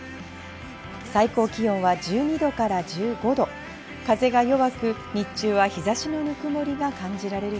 最高気温は１２度から１５度、風が弱く日中は日差しのぬくもりが感じられる